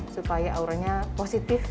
supaya auranya positif